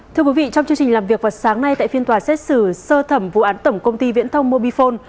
thưa quý vị trong chương trình làm việc vào sáng nay tại phiên tòa xét xử sơ thẩm vụ án tổng công ty viễn thông mobifone